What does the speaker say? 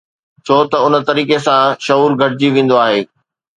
ڇو ته ان طريقي سان شعور گهٽجي ويندو آهي